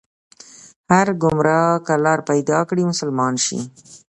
هر ګمراه که لار پيدا کړي، مسلمان شي